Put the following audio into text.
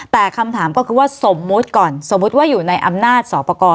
แต่คำถามก็คือว่าสมมุติก่อนสมมุติว่าอยู่ในอำนาจสอบประกอบ